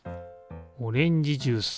オレンジジュース。